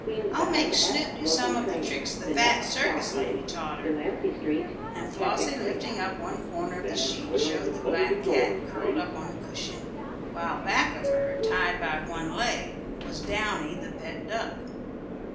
I'll make Snoop do some of the tricks the fat circus lady taught her," and Flossie lifting up one corner of the sheet, showed the black cat curled up on a cushion, while back of her, tied by one leg, was Downy the pet duck.